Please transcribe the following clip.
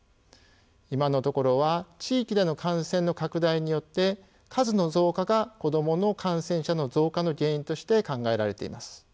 今のところは地域での感染の拡大によって数の増加が子どもの感染者の増加の原因として考えられています。